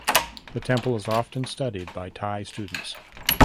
The temple is often studied by Thai students.